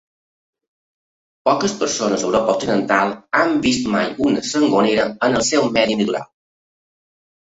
Poques persones a Europa Occidental han vist mai una sangonera en el seu medi natural.